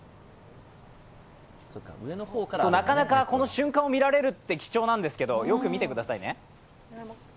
なかなかこの瞬間を見られるって貴重なんですけど、よく見てくださいね。